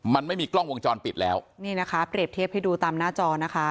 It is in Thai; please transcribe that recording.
มันไม่มีกล้องวงจรปิดแล้วนี่นะคะเปรียบเทียบให้ดูตามหน้าจอนะคะ